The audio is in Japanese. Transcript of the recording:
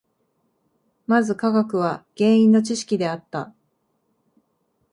まず科学は原因の知識であった。